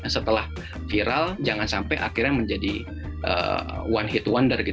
setelah viral jangan sampai akhirnya menjadi one hit wonder